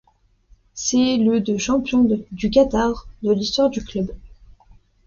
C'est le de champion du Qatar de l'histoire du club.